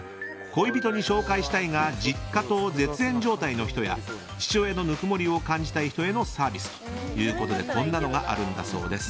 恋人に紹介したいが実家と絶縁状態の人や父親のぬくもりを感じたい人へのサービスということでこんなのがあるんだそうです。